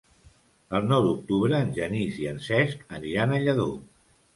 El nou d'octubre en Genís i en Cesc aniran a Lladó.